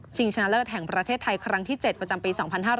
ชนะเลิศแห่งประเทศไทยครั้งที่๗ประจำปี๒๕๕๙